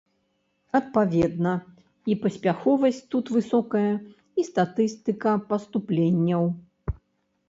Адпаведна, і паспяховасць тут высокая, і статыстыка паступленняў.